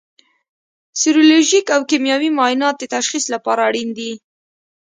سیرولوژیک او کیمیاوي معاینات د تشخیص لپاره اړین دي.